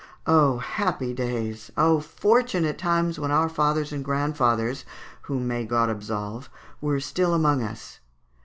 O happy days! O fortunate times when our fathers and grandfathers, whom may God absolve, were still among us!"